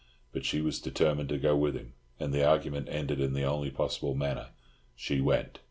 But she was determined to go with him, and the argument ended in the only possible manner—she went.